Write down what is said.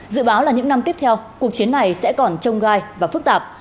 dự báo là những năm tiếp theo cuộc chiến này sẽ còn trông gai và phức tạp